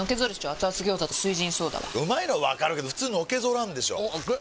アツアツ餃子と「翠ジンソーダ」はうまいのはわかるけどフツーのけぞらんでしょアツ！